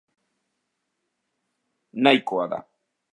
Nahikoa da.